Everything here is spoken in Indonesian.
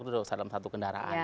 sudah selesai dalam satu kendaraan